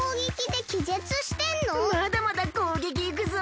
まだまだこうげきいくぞ！